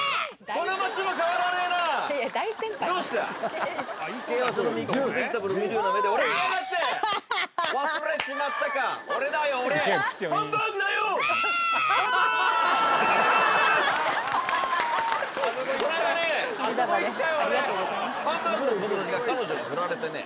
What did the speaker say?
この間ねハンバーグの友達が彼女にふられてね